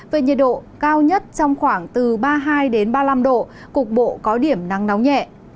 về nhiệt độ cao nhất trong khoảng từ ba mươi hai ba mươi năm độ cục bộ có điểm nắng nóng nhẹ